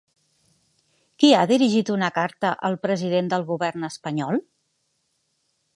Qui ha dirigit una carta al president del govern espanyol?